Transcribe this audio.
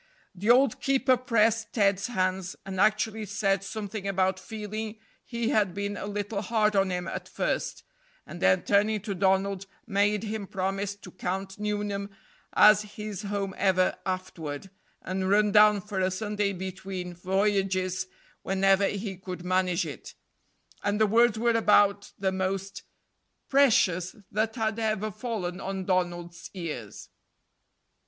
The old keeper pressed Ted's hands, and actually said something about feeling he had been a little hard on him at first; and then turning to Donald, made him promise to count Nuneham as his home ever afterward, and run down for a Sunday between voyages whenever he could manage it; and the words were about the most precious that had ever fallen on Donald's ears.